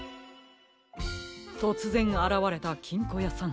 とつぜんあらわれたきんこやさん。